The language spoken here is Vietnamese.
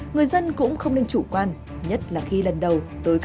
người dân cũng không nên chủ quan nhất là khi lần đầu